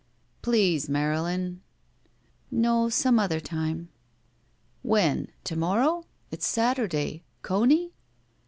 "Please, Marylin." "No. Some other time." "When? To morrow? It's Saturday! Conor?"